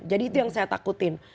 jadi itu yang saya takutin